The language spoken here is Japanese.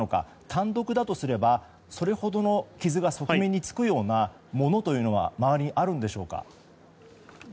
単独だとすればそれほどの傷が側面につくようなものというのは周りにあるんでしょうか。